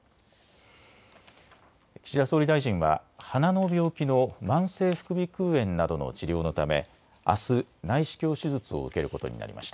岸田総理大臣は鼻の病気の慢性副鼻くう炎などの治療のためあす内視鏡手術を受けることになりました。